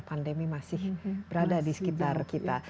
pandemi masih berada di sekitar kita